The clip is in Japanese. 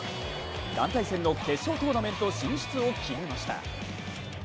団体戦の決勝トーナメント進出を決めました。